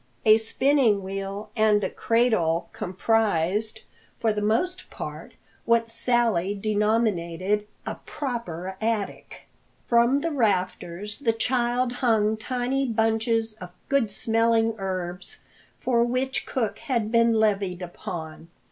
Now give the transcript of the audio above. A spinning wheel and a cradle comprised, for the most part, what Sally denominated a "proper" attic. From the rafters the child hung tiny bunches of good smelling herbs, for which cook had been levied upon.